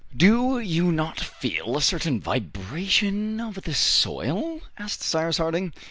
"Do not you feel a certain vibration of the soil?" asked Cyrus Harding.